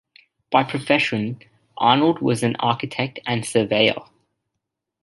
By profession, Arnold was an architect and surveyor.